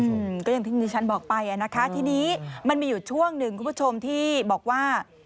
อืมก็อย่างที่ดิฉันบอกไปอ่ะนะคะทีนี้มันมีอยู่ช่วงหนึ่งคุณผู้ชมที่บอกว่า